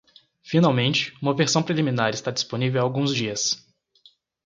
Finalmente, uma versão preliminar está disponível há alguns dias.